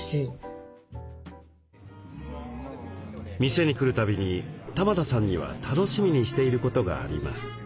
店に来るたびに玉田さんには楽しみにしていることがあります。